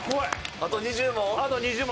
あと２０問？